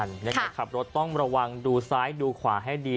ยังไงขับรถต้องระวังดูซ้ายดูขวาให้ดี